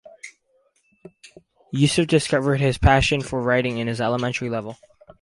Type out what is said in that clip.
Yusuf discovered his passion for writing in his elementary level.